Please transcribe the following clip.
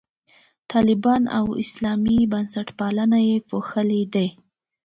طالبان او اسلامي بنسټپالنه یې پوښلي دي.